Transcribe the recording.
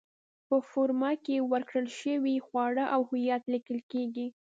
په فورمه کې ورکړل شوي خواړه او هویت لیکل کېږي.